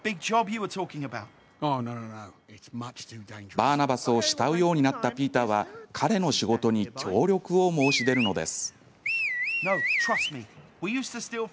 バーナバスを慕うようになったピーターは彼の仕事に協力を申し出るのです。